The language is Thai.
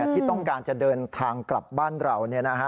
ที่ต้องการจะเดินทางกลับบ้านเรา